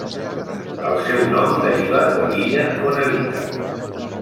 El seu nom deriva de l'illa on habita.